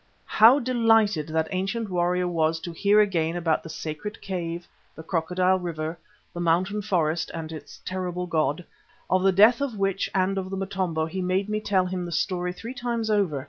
How delighted that ancient warrior was to hear again about the sacred cave, the Crocodile Water, the Mountain Forest and its terrible god, of the death of which and of the Motombo he made me tell him the story three times over.